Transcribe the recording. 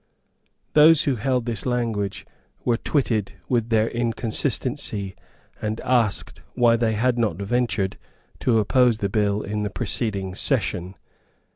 Those who held this language were twitted with their inconsistency, and asked why they had not ventured to oppose the bill in the preceding session.